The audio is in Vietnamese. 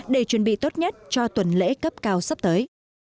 để chuẩn bị tốt nhất cho tuần lễ cấp cao sắp tới